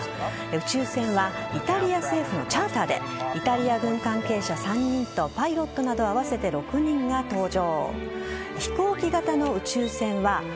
宇宙船はイタリア政府のチャーターでイタリア軍関係者３人とパイロットなど合わせて６人が搭乗。